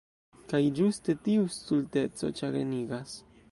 Kaj ĝuste tiu stulteco ĉagrenigas.